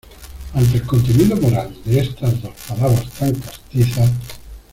ante el contenido moral de estas dos palabras tan castizas: